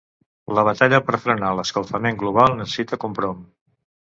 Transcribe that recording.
La batalla per frenar l'escalfament global necessita comprom